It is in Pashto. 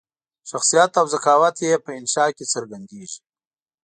شخصیت او ذکاوت یې په انشأ کې څرګندیږي.